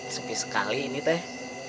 sepi sekali ini teh